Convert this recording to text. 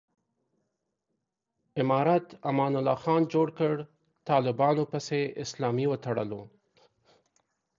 امارت امان الله خان جوړ کړ، طالبانو پسې اسلامي وتړلو.